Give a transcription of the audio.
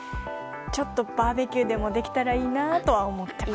ちょっとバーベキューでもできたらいいなと思っています。